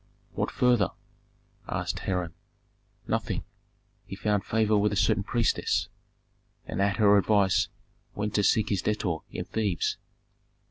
"What further?" asked Hiram. "Nothing. He found favor with a certain priestess, and at her advice went to seek his debtor in Thebes."